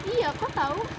iya kok tahu